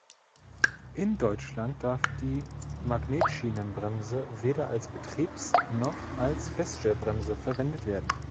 In Deutschland darf die Magnetschienenbremse weder als Betriebs- noch als Feststellbremse verwendet werden.